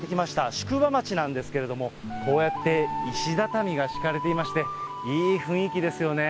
宿場町なんですけども、こうやって石畳が敷かれていまして、いい雰囲気ですよね。